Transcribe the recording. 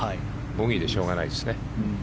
ボギーでしょうがないですね。